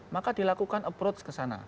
maka dilakukan approach ke sana